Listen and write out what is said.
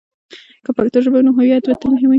که پښتو ژبه وي، نو هویت به تل مهم وي.